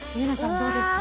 どうですか？